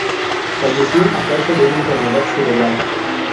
Falleció a causa de una enfermedad cerebral.